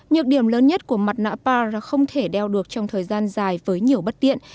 nhược điểm lớn nhất của mặt nạ par là không thể đeo được trong thời gian dài với nhiều bất tiện